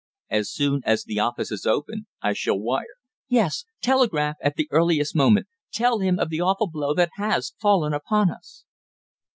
"As soon as the office is open I shall wire." "Yes, telegraph at the earliest moment. Tell him of the awful blow that has fallen upon us."